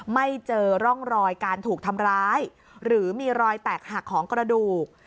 ไม่เจอร่องรอยการถูกทำร้ายหรือมีรอยแตกหักของกระดูก